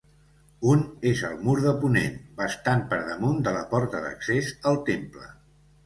Un és al mur de ponent, bastant per damunt de la porta d'accés al temple.